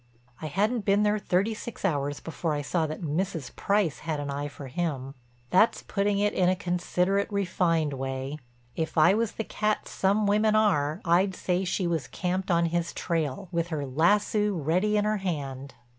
I hadn't been there thirty six hours before I saw that Mrs. Price had an eye for him. That's putting it in a considerate, refined way. If I was the cat some women are, I'd say she was camped on his trail, with her lassoo ready in her hand.